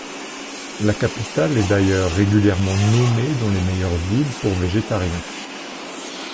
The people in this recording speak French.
La capitale est d'ailleurs régulièrement nommée dans les meilleures villes pour végétariens.